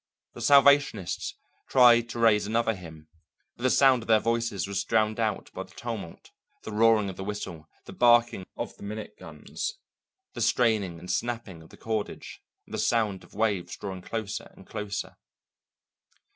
The Salvationists tried to raise another hymn, but the sound of their voices was drowned out by the tumult, the roaring of the whistle, the barking of the minute guns, the straining and snapping of the cordage, and the sound of waves drawing closer and closer.